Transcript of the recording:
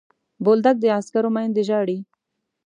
بولدک د عسکرو میندې ژاړي.